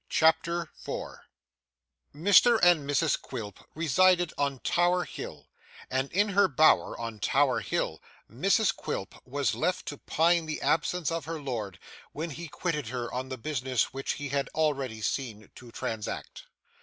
CHAPTER 4 Mr and Mrs Quilp resided on Tower Hill; and in her bower on Tower Hill Mrs Quilp was left to pine the absence of her lord, when he quitted her on the business which he had already seen to transact.